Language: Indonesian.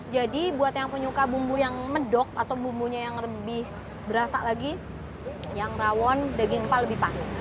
jadi buat yang penyuka bumbu yang medok atau bumbunya yang lebih berasa lagi yang rawon daging empal lebih pas